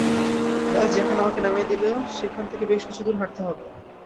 বাস যেখানে আমাকে নামিয়ে দিল সেখান থেকে বেশ কিছু দুর হাঁটতে হবে।